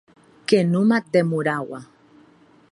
Que non m’ac demoraua!